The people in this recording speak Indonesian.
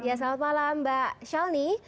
ya selamat malam mbak shelni